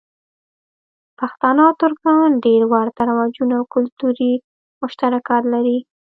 پښتانه او ترکان ډېر ورته رواجونه او کلتوری مشترکات لری.